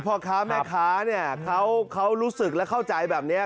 พ่อค้าแม่ค้าเนี่ยเขารู้สึกและเข้าใจแบบนี้